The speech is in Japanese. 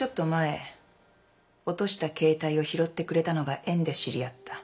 落とした携帯を拾ってくれたのが縁で知り合った。